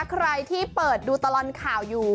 ใครที่เปิดดูตลอดข่าวอยู่